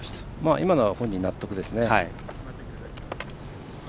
今のは本人、納得ですね。